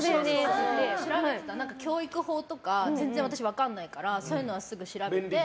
教育法とか全然分からないからそういうのはすぐ調べて。